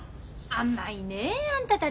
甘いねえあんたたち。